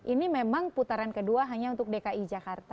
ini memang putaran kedua hanya untuk dki jakarta